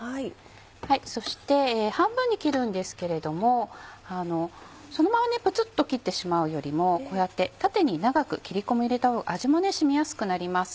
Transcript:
そして半分に切るんですけれどもそのままプツっと切ってしまうよりもこうやって縦に長く切り込みを入れた方が味も染みやすくなります。